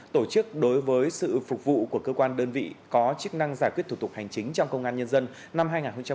tổ chức đối với sự phục vụ của cơ quan đơn vị có chức năng giải quyết thủ tục hành chính trong công an nhân dân năm hai nghìn hai mươi ba